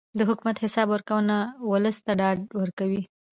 د حکومت حساب ورکونه ولس ته ډاډ ورکوي